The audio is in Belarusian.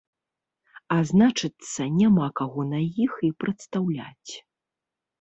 А значыцца няма каго на іх і прадстаўляць.